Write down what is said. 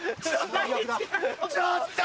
ちょっと！